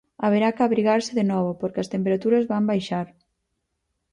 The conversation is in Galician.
Haberá que abrigarse de novo porque as temperaturas van baixar.